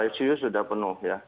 icu sudah penuh ya